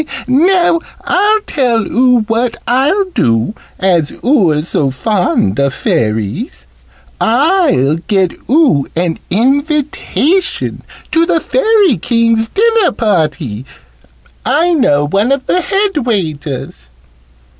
Now I'll tell oo what I'll do, as oo're so fond of Fairies. I'll get oo an invitation to the Fairy King's dinner party. I know one of the head waiters."